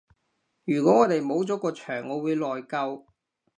如果我哋冇咗個場我會內疚